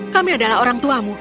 kami adalah orang tuamu